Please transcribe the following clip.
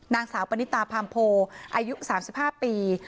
นางสาวปณิตาพามโพอายุ๓๕ปี